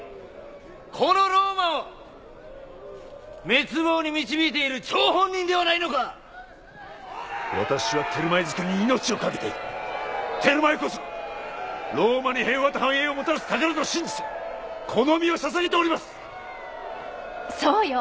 このローマを滅亡に導いている張本人ではないのか私はテルマエ造りに命を懸けているテルマエこそローマに平和と繁栄をもたらす宝と信じてこの身を捧げておりますそうよ